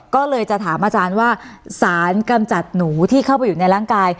ก็เลยจะถามอาจารย์ว่าสารกำจัดหนูที่เข้าไปอยู่ในร่างกาย